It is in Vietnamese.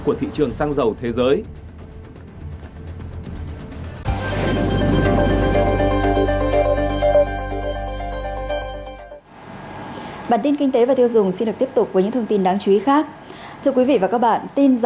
của thị trường xăng dầu thế giới